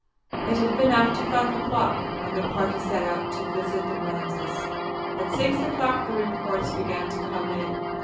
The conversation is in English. It had been after five o'clock when the party set out to visit the manses; at six o'clock the reports began to come in.